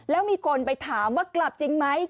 แล้วมีคนไปถามว่ากลับจริงไหม